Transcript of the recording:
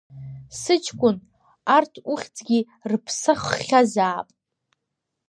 Сыҷкәын, арҭ ухьӡгьы рыԥсаххьазаап?